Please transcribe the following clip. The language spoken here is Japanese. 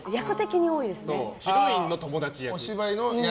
ヒロインの友達役。